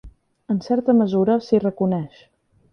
En certa mesura, s'hi reconeix.